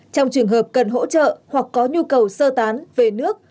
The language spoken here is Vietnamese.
trong trường hợp cần hỗ trợ hoặc có nhu cầu sơ tán về nước